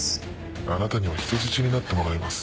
あなたには人質になってもらいます。